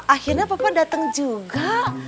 akhirnya papa datang juga